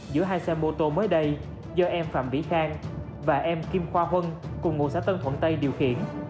giữa hai xe mô tô mới đây do em phạm vĩ khang và em kim khoa huân cùng ngôi xã tân thuận tây điều khiển